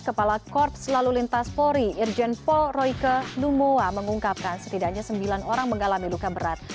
kepala korps lalu lintas polri irjen pol royke lumoa mengungkapkan setidaknya sembilan orang mengalami luka berat